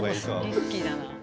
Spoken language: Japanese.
リスキーだな。